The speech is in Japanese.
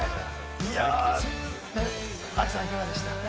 亜希さん、いかがでした？